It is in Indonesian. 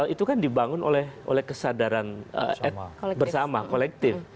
itu kan dibangun oleh kesadaran bersama kolektif